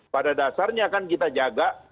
pada dasarnya kan kita jaga